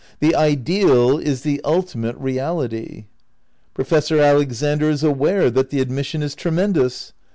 The ideal is the ultimate reality. Professor Alexander is aware that the admission is tremendous.